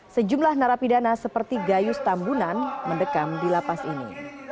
sejumlah narapidana seperti gayus tambunan mendekam di lapas ini